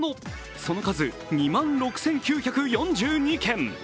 その数２万６９４２件。